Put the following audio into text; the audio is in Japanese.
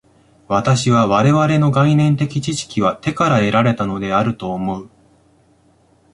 私は我々の概念的知識は手から得られたのであると思う。